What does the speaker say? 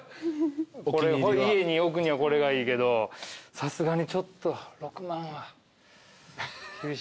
家に置くにはこれがいいけどさすがにちょっと６万は厳しいな。